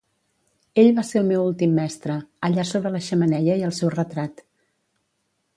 Ell va ser el meu últim mestre, allà sobre la xemeneia hi ha el seu retrat.